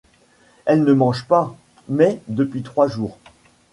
Elle ne mange pas, mais depuis trois jours.